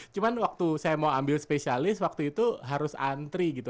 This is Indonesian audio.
cuma waktu saya mau ambil spesialis waktu itu harus antri gitu